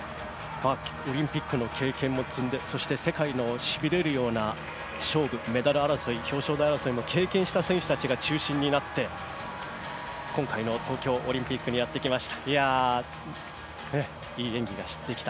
オリンピックの経験も積んで、世界のしびれるような勝負、メダル争いを経験した選手たちが中心になって今回の東京オリンピックにやってきました。